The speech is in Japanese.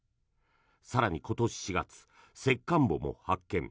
更に今年４月、石棺墓も発見。